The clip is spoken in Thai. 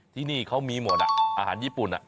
ที่นี่เขามีหมดอาหารญี่ปุ่น